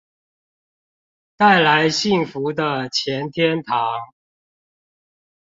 帶來幸福的錢天堂